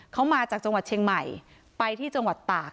เขามาจากจังหวัดเชียงใหม่ไปที่จังหวัดตาก